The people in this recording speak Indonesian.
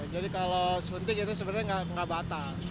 jadi kalau suntik itu sebenarnya enggak batal